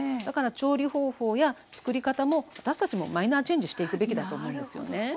だから調理方法や作り方も私たちもマイナーチェンジしていくべきだと思うんですよね。